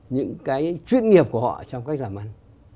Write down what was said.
những cái chuyên nghiệp của họ trong cách làm ăn